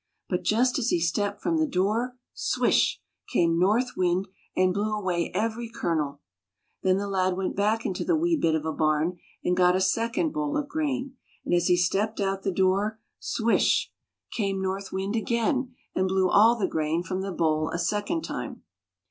But just as he stepped from the door — swish — came North Wind and blew away every kernel. Then the lad went back into the wee bit of a barn and got a second bowl of grain, and as he stepped out the door — swish —[ 117 ] FAVORITE FAIRY TALES RETOLD came North Wind again and blew all the grain from the bowl a second time.